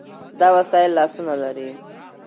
دا وسایل لاسونه لري.